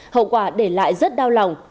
hậu quả để lại rất đau lòng